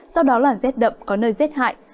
sau đó là rét đậm có nơi rét hại